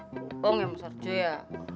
gopong ya mas sarjo ya